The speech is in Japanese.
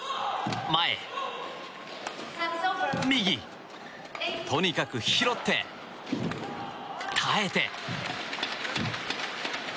前、右、とにかく拾って耐えて。